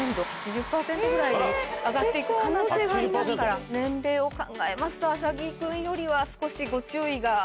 ぐらいに上がって行く可能性がありますから年齢を考えますと麻木君よりは少し。